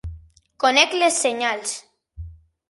Conec les senyals.